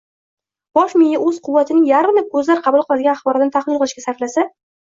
bosh miya o‘z quvvatining yarmini ko‘zlar qabul qiladigan axborotni tahlil qilishga sarflasa